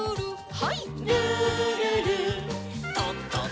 はい。